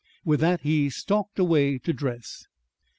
With that he stalked away to dress.